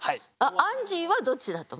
アンジーはどっちだと思う？